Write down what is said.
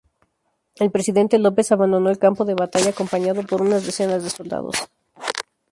El presidente López abandonó el campo de batalla acompañado por unas decenas de soldados.